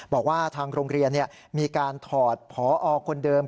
บอกว่าทางโรงเรียนมีการถอดพอคนเดิม